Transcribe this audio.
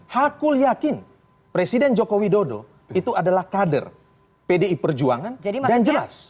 hakul yakin presiden joko widodo itu adalah kader pdi perjuangan dan jelas